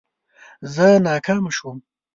زه ناکامه شوم